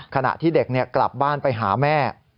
ขณะที่เด็กกลับบ้านไปหาแม่